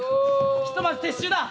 ひとまず撤収だ。